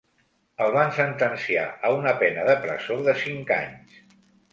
El van sentenciar a una pena de presó de cinc anys.